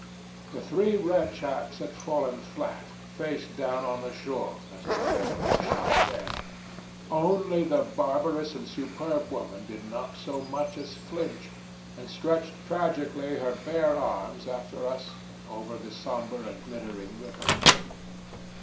The three red chaps had fallen flat, face down on the shore, as though they had been shot dead. Only the barbarous and superb woman did not so much as flinch, and stretched tragically her bare arms after us over the somber and glittering river.